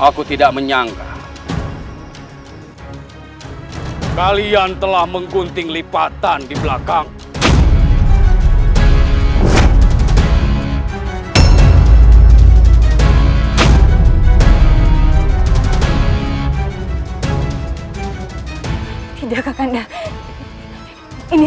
aku tidak mungkin meninggalkan yunda seorang diri